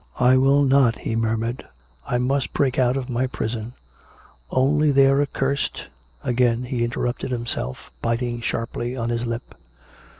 " I will not," he murmured. " I must break out of my prison. Only their accursed " Again he interrupted himself, biting sharply on his lip.